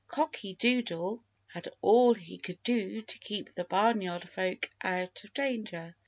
Cocky Doodle had all he could do to keep the Barnyard Folk out of danger.